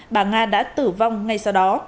bà nga đã tử vong ngay sau đó